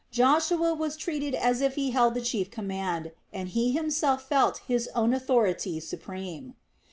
Joshua was treated as if he held the chief command, and he himself felt his own authority supreme.